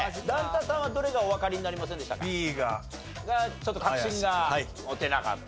段田さんはどれがおわかりになりませんでしたか？